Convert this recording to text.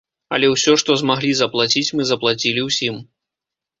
Але ўсё, што змаглі заплаціць, мы заплацілі ўсім.